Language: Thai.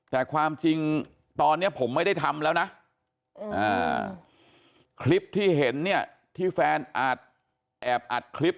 แต่ความจริงตอนนี้ผมไม่ได้ทำแล้วนะคลิปที่เห็นเนี่ยที่แฟนอาจแอบอัดคลิป